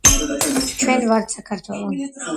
ჩვენ ვართ საქართველო